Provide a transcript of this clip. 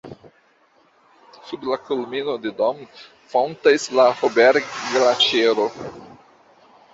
Sub la kulmino de Dom fontas la Hohberg-Glaĉero.